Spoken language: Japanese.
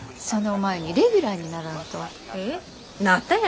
その前にレギュラーにならんと。